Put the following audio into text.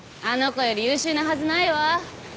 あの子より優秀なはずないわ。